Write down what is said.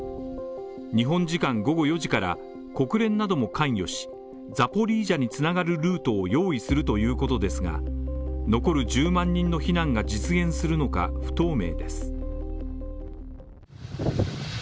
日本時間午後４時から国連なども関与し、ザポリージャにつながるルートを用意するということですが残る１０万人の避難が実現するのか不透明です。